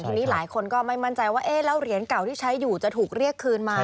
ทีนี้หลายคนก็ไม่มั่นใจว่าเอ๊ะแล้วเหรียญเก่าที่ใช้อยู่จะถูกเรียกคืนมา